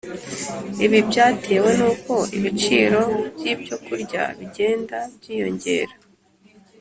ibi byatewe n’ uko ibiciro by’ ibyo kurya bigenda byiyongera,